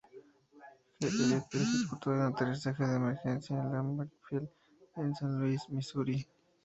E. Elliot ejecutó un aterrizaje de emergencia en Lambert Field en San Luis, Misuri.